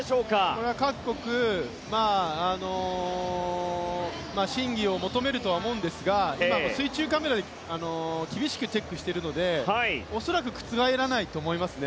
これは各国審議を求めるとは思うんですが今、水中カメラで厳しくチェックしているので恐らく覆らないと思いますね